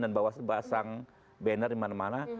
dan bawa sebasang banner dimana mana